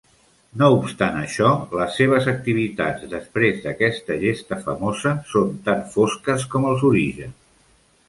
No obstant això, les seves activitats després d'aquesta gesta famosa són tan fosques com els orígens.